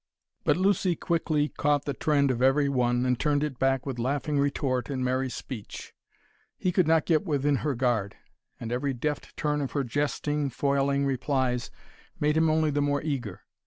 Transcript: But Lucy quickly caught the trend of every one and turned it back with laughing retort and merry speech. He could not get within her guard, and every deft turn of her jesting, foiling replies made him only the more eager.